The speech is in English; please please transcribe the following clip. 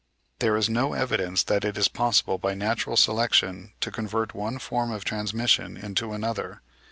There is no evidence that it is possible by natural selection to convert one form of transmission into another.